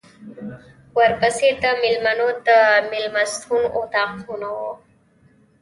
ورپسې د مېلمنو د مېلمستون اطاقونه و.